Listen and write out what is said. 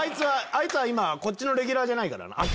あいつは今こっちのレギュラーじゃないからな。